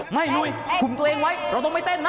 ไม่หนุ่ยกลุ่มตัวเองไว้เราต้องไม่เต้นนะ